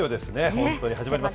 本当に始まりますね。